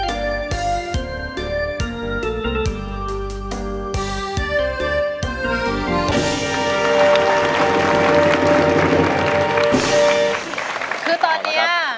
ไม่ใช่เลย